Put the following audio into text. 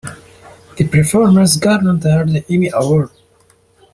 The performance garnered her the Emmy Award.